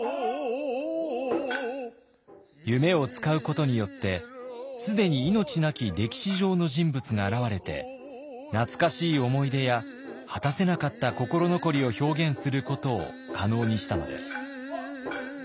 夢を使うことによって既に命なき歴史上の人物が現れて懐かしい思い出や果たせなかった心残りを表現することを可能にしたのです。